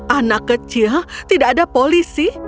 anak kecil tidak ada polisi